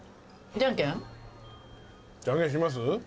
じゃんけんします？